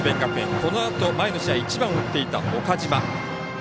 このあと前の試合１番を打っていた岡島。